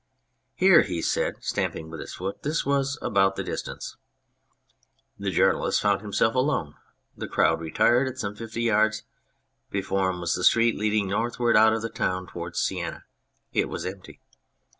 " Here," he said, stamping with his foot, "this was about the distance." The journalist found himself alone, the crowd retired at some fifty yards ; before him was the street leading northward out of the town towards Sienna ; it was empty.